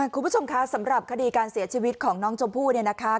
คุณผู้ชมคะสำหรับคดีการเสียชีวิตของน้องชมพู่เนี่ยนะคะ